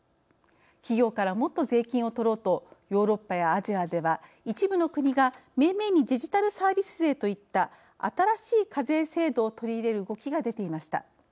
企業からもっと税金を取ろうとヨーロッパやアジアでは一部の国がめいめいにデジタルサービス税といった新しい課税制度を取り入れる動きが出ていました。